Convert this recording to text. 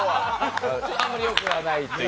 あんまりよくはないという。